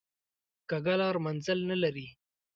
کوږه لار منزل نه لري